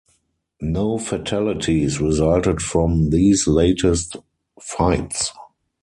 No fatalities resulted from these latest fights.